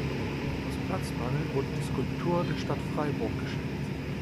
Aus Platzmangel wurde die Skulptur der Stadt Freiburg geschenkt.